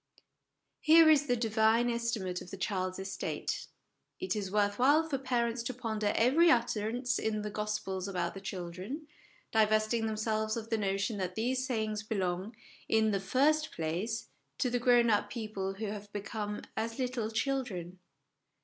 Here is the Divine estimate of the child's estate. It is worth while for parents to ponder every utterance in the Gospels about the children, divesting themselves of the notion that these sayings belong, in the first place, to the grown up people who have become as little children.